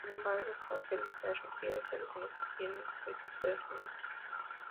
Sin embargo, esta felicidad requiere de algunos bienes externos.